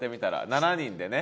７人でね。